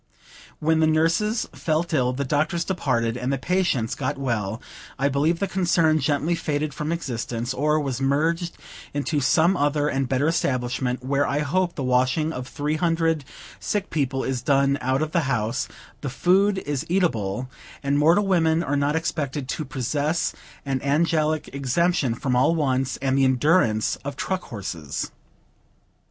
When the nurses felt ill, the doctors departed, and the patients got well, I believe the concern gently faded from existence, or was merged into some other and better establishment, where I hope the washing of three hundred sick people is done out of the house, the food is eatable, and mortal women are not expected to possess an angelic exemption from all wants, and the endurance of truck horses.